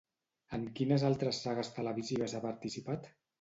En quines altres sagues televisives ha participat?